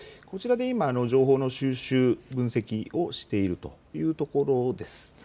こちらで今、情報の収集、分析をしているというところです。